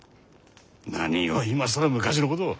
何を今更昔のことを。